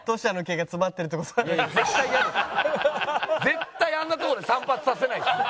絶対あんなとこで散髪させないです。